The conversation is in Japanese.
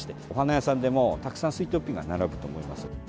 お花屋さんでもたくさんスイートピーが並ぶと思います。